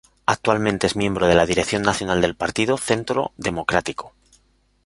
Actualmente es miembro de la Dirección Nacional del partido Centro Democrático.